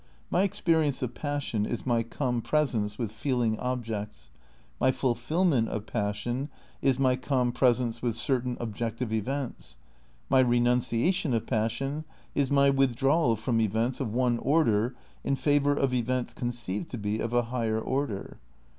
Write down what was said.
My experience of passion is my compresence with feeling objects; my fulfilment of passion is my com presence with certain objective events; my renuncia tion of passion is my withdrawal from events of one order in favour of events conceived to be of a higher order.